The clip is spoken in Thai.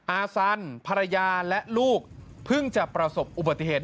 อาสันภรรยาและลูกเพิ่งจะประสบอุบัติเหตุ